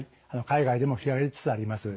海外でも広がりつつあります。